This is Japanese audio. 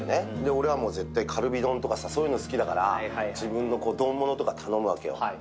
俺は絶対、カルビ丼とか、そういうの好きだから自分の丼ものとか頼むわけよ。